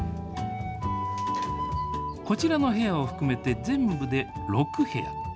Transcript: こちらの部屋を含めて全部で６部屋。